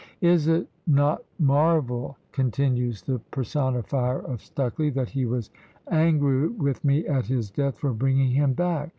Is it not marvel," continues the personifier of Stucley, "that he was angry with me at his death for bringing him back?